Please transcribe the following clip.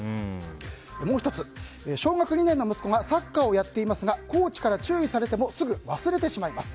もう１つ、小学２年の息子がサッカーをやっていますがコーチから注意されてもすぐ忘れてしまいます。